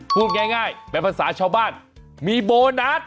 พูดง่ายเป็นภาษาชาวบ้านมีโบนัส